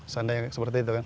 seandainya seperti itu kan